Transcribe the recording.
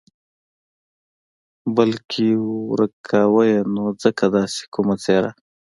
بلکې ورک کاوه یې نو ځکه داسې کومه څېره.